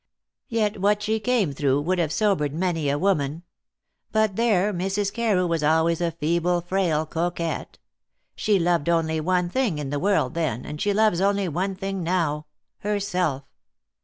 Yet what she came through would have sobered many a woman. But there, Mrs. Carew was always a feeble, frail coquette. She loved only one thing in the world then, and she loves only one thing now herself."